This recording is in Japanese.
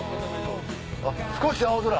あっ少し青空！